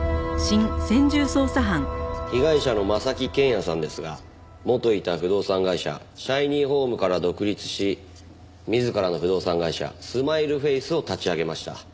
被害者の征木健也さんですが元いた不動産会社Ｓｈｉｎｙｈｏｍｅから独立し自らの不動産会社住まいるフェイスを立ち上げました。